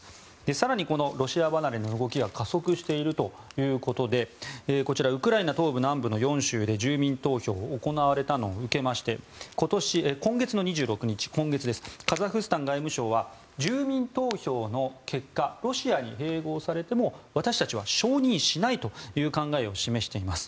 更に、このロシア離れの動きが加速しているということでウクライナ東部、南部の４州で住民投票が行われたのを受けまして今月２６日カザフスタン外務省は住民投票の結果ロシアに併合されても私たちは承認しないという考えを示しています。